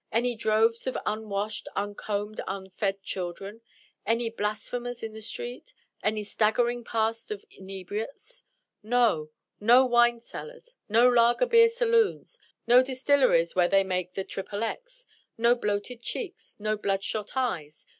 any droves of unwashed, uncombed, unfed children? any blasphemers in the street? any staggering past of inebriates? No! No wine cellars. No lager beer saloons. No distilleries where they make the XXX. No bloated cheeks. No blood shot eyes.